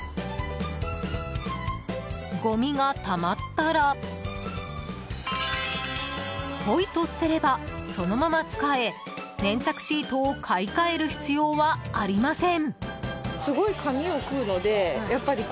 ごみがたまったらポイと捨てればそのまま使え粘着シートを買い換える必要はありません。